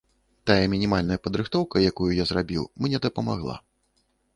Тая мінімальная падрыхтоўка, якую я зрабіў, мне дапамагла.